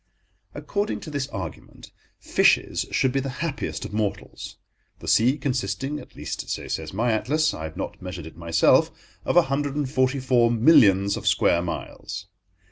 According to this argument, fishes should be the happiest of mortals, the sea consisting—at least, so says my atlas: I have not measured it myself—of a hundred and forty four millions of square miles.